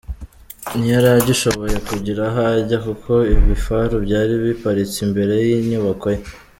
Ntiyari agishoboye kugira aho ajya kuko ibifaru byari biparitse imbere y’inyubako ye.